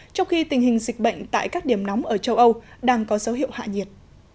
trong khi tình hình dịch bệnh tại các điểm nóng ở châu âu đang có dấu hiệu hạ nhiệt